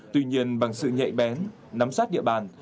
tuy nhiên bằng sự nhạy bén nắm sát địa bàn